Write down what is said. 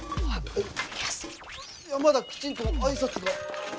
いやまだきちんとあいさつが。